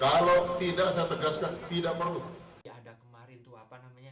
kalau tidak saya tegaskan tidak perlu